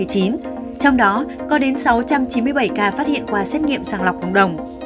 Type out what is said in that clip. trong đó có đến sáu trăm chín mươi bảy ca phát hiện qua xét nghiệm sàng lọc cộng đồng